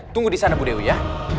tunggu disana bu dewi ya